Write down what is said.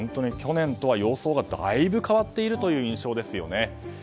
去年とは様相がだいぶ変わっているという印象ですよね。